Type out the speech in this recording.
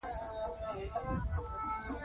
د کلورین په هسته کې اوولس پروتونونه شتون لري.